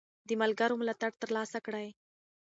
د ملګرو ملاتړ ترلاسه کړئ.